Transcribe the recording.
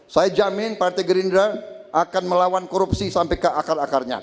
saya jamin partai gerindra akan melawan korupsi sampai ke akar akarnya